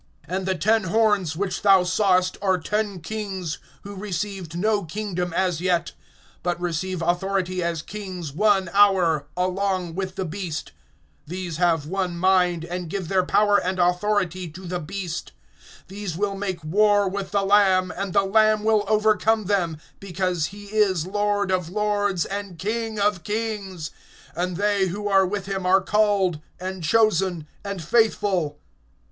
(12)And the ten horns which thou sawest are ten kings, who received no kingdom as yet; but receive authority as kings one hour, along with the beast. (13)These have one mind, and give their power and authority to the beast. (14)These will make war with the Lamb, and the Lamb will overcome them; because he is Lord of lords, and King of kings; and they who are with him are called, and chosen, and faithful.